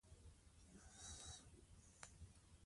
موږ وکیل محمدزی وپوښتله.